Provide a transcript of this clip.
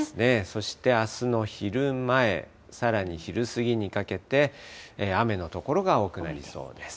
そしてあすの昼前、さらに昼過ぎにかけて、雨の所が多くなりそうです。